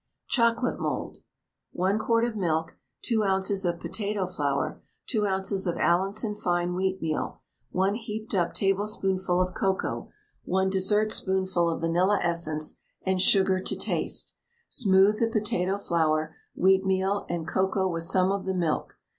CHOCOLATE MOULD. 1 quart of milk, 2 oz. of potato flour, 2 oz. of Allinson fine wheatmeal, 1 heaped up tablespoonful of cocoa, 1 dessertspoonful of vanilla essence, and sugar to taste. Smooth the potato flour, wheatmeal, and cocoa with some of the milk.